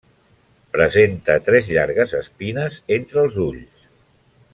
Presenta tres llargues espines entre els ulls.